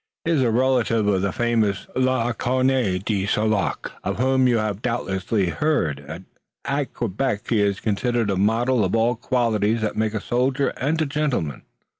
He is a relative of the famous La Corne de St. Luc, of whom you have doubtless heard, and at Quebec he is considered a model of all the qualities that make a soldier and a gentleman."